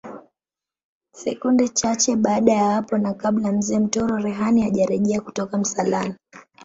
Sekunde chache baada ya hapo na kabla Mzee Mtoro Rehani hajarejea kutoka msalani